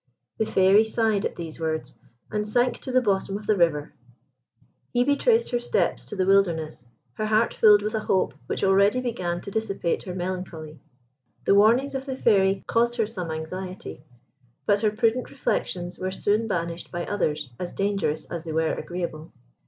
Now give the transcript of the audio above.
The Fairy sighed at these words, and sank to the bottom of the river. Hebe retraced her steps to the wilderness, her heart filled with a hope which already began to dissipate her melancholy. The warnings of the Fairy caused her some anxiety; but her prudent reflections were soon banished by others, as dangerous as they were agreeable.